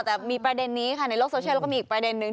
หรือเปล่าแต่มีประเด็นนี้ค่ะในโลกโซเชียลเราก็มีอีกประเด็นนึง